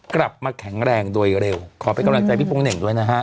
กลับมาแข็งแรงโดยเร็วขอเป็นกำลังใจพี่โป๊งเหน่งด้วยนะฮะ